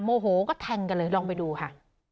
โมโหก็แทงกันเลยลองไปดูค่ะ